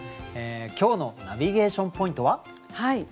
今日のナビゲーション・ポイントは？